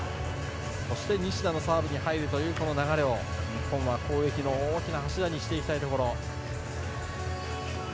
西田のサーブに入るという流れを日本は攻撃の大きな柱にしていきたいところ。